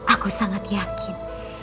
aku sangat yakin